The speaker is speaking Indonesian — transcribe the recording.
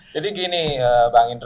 jadi gini bang indra